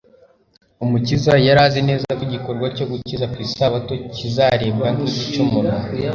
Umukiza yari azi neza ko igikorwa cyo gukiza ku isabato kizarebwa nk'igicumuro,